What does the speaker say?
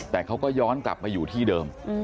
แต่เขาก็ย้อนกลับมาอยู่ที่เดิม